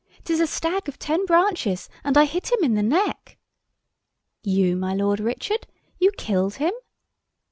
'Tis a stag of ten branches, and I hit him in the neck." "You! my Lord Richard! you killed him?"